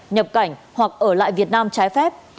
nhập cảnh hoặc ở lại việt nam trái phép